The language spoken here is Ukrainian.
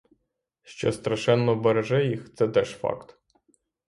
Що страшенно береже їх, це теж факт.